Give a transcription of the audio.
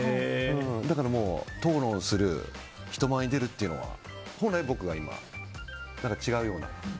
だから、討論する人前に出るというのは本来僕は違うような。